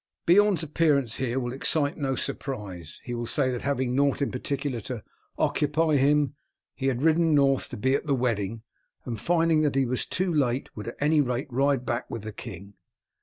Beorn's appearance here will excite no surprise. He will say that having nought in particular to occupy him he had ridden north to be at the wedding, and finding that he was too late, would at any rate ride back with the king.